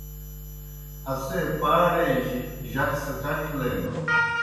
اسے پاڑے جیْ جک سہ کڇ لینَن۔